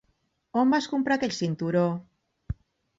On vas comprar aquell cinturó?